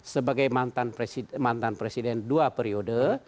sebagai mantan presiden dua periode